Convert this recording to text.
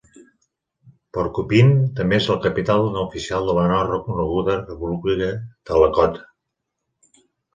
Porcupine també és la capital no oficial de la no reconeguda República de Lakota.